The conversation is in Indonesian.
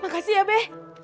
makasih ya be